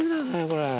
これ。